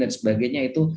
dan sebagainya itu